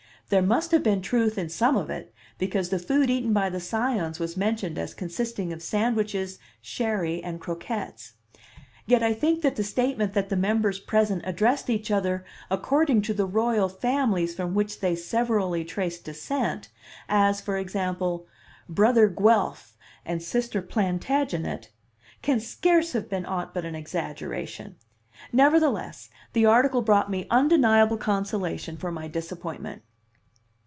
There must have been truth in some of it, because the food eaten by the Scions was mentioned as consisting of sandwiches, sherry and croquettes; yet I think that the statement that the members present addressed each other according to the royal families from which they severally traced descent, as, for example, Brother Guelph and Sister Plantagenet, can scarce have beers aught but an exaggeration; nevertheless, the article brought me undeniable consolation for my disappointment.